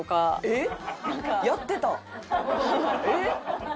えっ？